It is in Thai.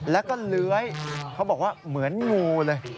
แล้วก็เลื้อยเขาบอกว่าเหมือนงูเลย